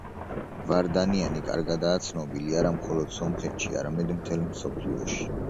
ვარდანიანი კარგადა ცნობილი არა მხოლოდ სომხეთში, არამედ მთელ მსოფლიოში.